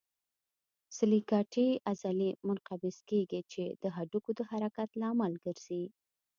سکلیټي عضلې منقبض کېږي چې د هډوکو د حرکت لامل وګرځي.